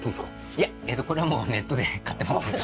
いやこれはもうネットで買ってますけど。